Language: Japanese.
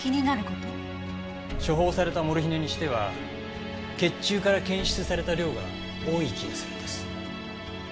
処方されたモルヒネにしては血中から検出された量が多い気がするんです。